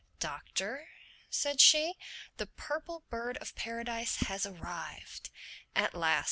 "Doctor," said she, "the Purple Bird of Paradise has arrived!" "At last!"